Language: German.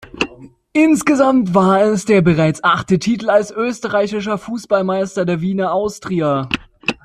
Insgesamt war es der bereits achte Titel als Österreichischer Fußballmeister der Wiener Austria.